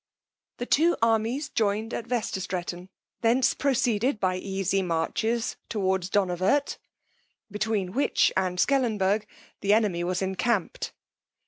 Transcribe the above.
The two armies joined at Westerstretton, thence proceeded by easy marches towards Donawert, between which and Scellenberg the enemy was encamped.